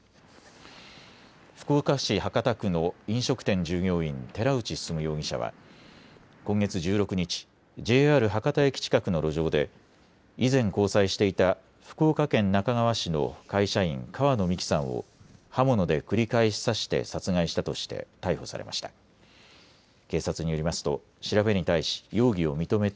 福岡市博多区の飲食店従業員、寺内進容疑者は今月１６日、ＪＲ博多駅近くの路上で以前、交際していた福岡県那珂川市の会社員、川野美樹さんを刃物で繰り返し刺して殺害したとして逮捕されました。